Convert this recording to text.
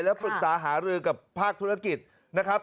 แล้วปรึกษาหารือกับภาคธุรกิจนะครับ